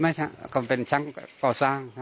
ไม่ใช่เขาเป็นชั้นก่อสร้าง